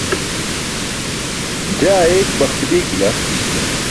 jaa eyik baxti biik bila